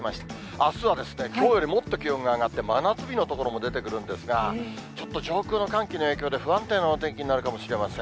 あすはきょうよりもっと気温が上がって、真夏日の所も出てくるんですが、ちょっと上空の寒気の影響で、不安定なお天気になるかもしれません。